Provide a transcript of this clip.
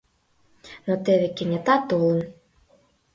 Но теве кенета толын!